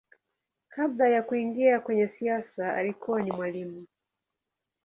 Kabla ya kuingia kwenye siasa alikuwa ni mwalimu.